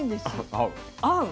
合う。